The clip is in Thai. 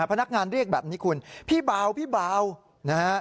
พนักงานเรียกแบบนี้คุณพี่เบาพี่เบานะฮะ